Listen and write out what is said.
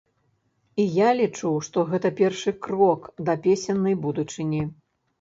І я лічу, што гэта першы крок да песеннай будучыні.